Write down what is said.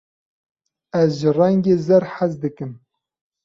Ez ji rengê zer hez dikim.